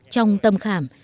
trong tâm khảm